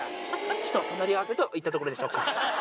死と隣り合わせといったところでしょうか。